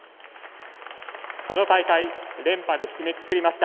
この大会、連覇で締めくくりました。